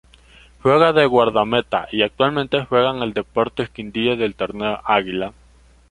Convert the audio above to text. Juega de guardameta y actualmente juega en el Deportes Quindío del Torneo Águila.